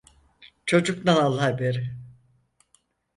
Çocuktan al haberi.